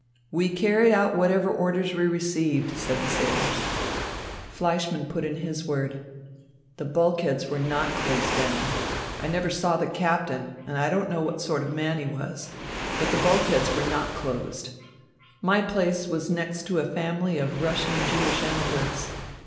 "We carried out whatever orders we received," said the sailors. Fleischmann put in his word: "The bulkheads were not closed down. I never saw the captain, and I don't know what sort of man he was. But the bulkheads were not closed. My place was next to a family of Russian Jewish emigrants.